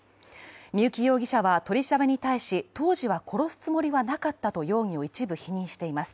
三幸容疑者は取り調べに対し当時は殺すつもりはなかったと容疑を一部否認しています。